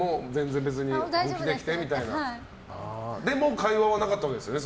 でも会話はなかったわけですよね。